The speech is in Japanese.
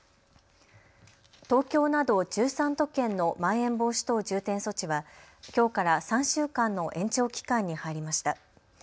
東京など１３都県のまん延防止等重点措置はきょうから３週間の延長期間に入りました。